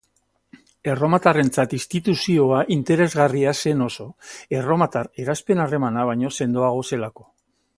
Erromatarrarentzat instituzioa interesgarria zen oso, erromatar eraspen-harremana baino sendoagoa zelako.